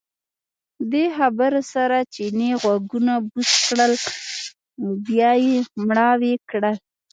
دې خبرو سره چیني غوږونه بوڅ کړل او بیا یې مړاوي کړل.